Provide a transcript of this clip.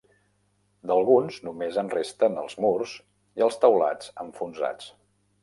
D'alguns només en resten els murs i els teulats enfonsats.